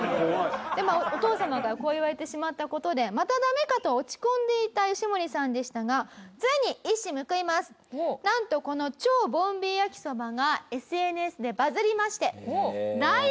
まあお父様からこう言われてしまった事でまたダメかと落ち込んでいたヨシモリさんでしたがなんとこの超ボンビーやきそばがＳＮＳでバズりまして。